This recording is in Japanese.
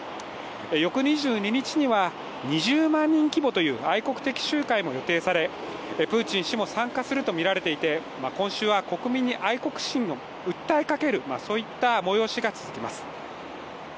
翌２２日には２０万人規模という愛国的集会も予定されプーチン氏も参加するとみられていて今週は国民に愛国心を訴えかける、そういった催しが続きます。